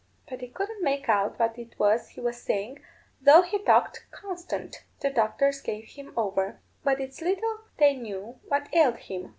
But they couldn't make out what it was he was saying, though he talked constant. The doctors gave him over. But it's little they knew what ailed him.